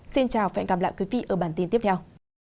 xin chào và hẹn gặp lại quý vị ở bản tin tiếp theo